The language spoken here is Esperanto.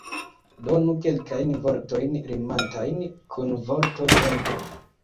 Donu kelkajn vortojn rimantajn kun vorto vento.